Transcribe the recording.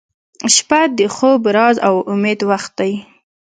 • شپه د خوب، راز، او امید وخت دی